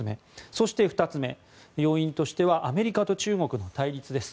そして２つ目、要因としてはアメリカと中国の対立です。